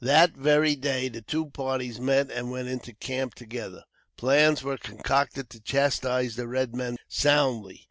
That very day the two parties met and went into camp together. Plans were concocted to chastise the red men soundly.